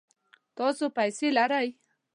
تاسو پیسې لرئ؟